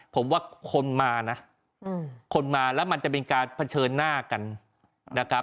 ผมว่าคนมานะคนมาแล้วมันจะเป็นการเผชิญหน้ากันนะครับ